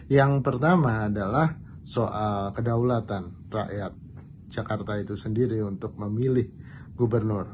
yang pertama adalah soal kedaulatan rakyat jakarta itu sendiri untuk memilih gubernur